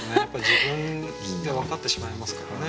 自分で分かってしまいますからね。